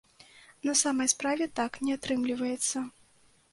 На самай справе, так не атрымліваецца.